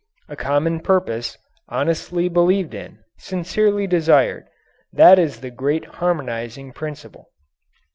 A common purpose, honestly believed in, sincerely desired that is the great harmonizing principle.